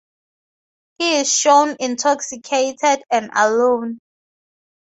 He is shown intoxicated and alone.